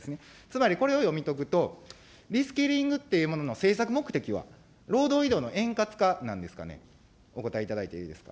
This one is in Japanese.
つまり、これを読み解くと、リスキリングっていうものの政策目的は、労働移動の円滑化なんですかね。